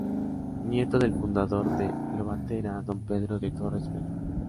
Nieto del fundador de Lobatera, Don Pedro de Torres Vera.